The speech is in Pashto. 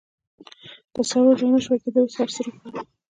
تصور لا نه شوای کېدای، اوس هر څه روښانه.